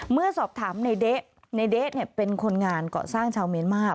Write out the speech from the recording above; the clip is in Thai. เมื่อสอบถามในเด๊ะในเด๊ะเป็นคนงานเกาะสร้างชาวเมียนมาร์